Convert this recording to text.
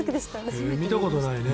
見たことないね。